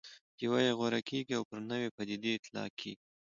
یوه یې غوره کېږي او پر نوې پدیدې اطلاق کېږي.